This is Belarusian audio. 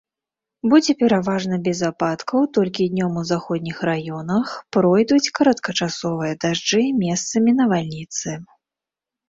Будзе пераважна без ападкаў, толькі днём у заходніх раёнах пройдуць кароткачасовыя дажджы, месцамі навальніцы.